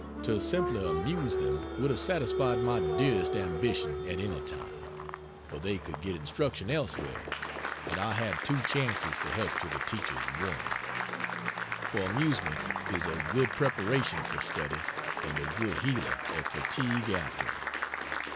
To simply amuse them would have satisfied my dearest ambition at any time; for they could get instruction elsewhere, and I had two chances to help to the teacher's one: for amusement is a good preparation for study and a good healer of fatigue after it.